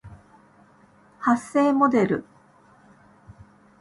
発声モデル